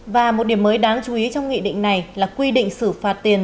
và một điểm mới đáng chú ý trong nghị định này là quy định xử phạt tiền